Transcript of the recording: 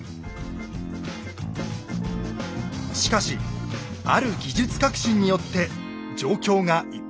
しかしある技術革新によって状況が一変します。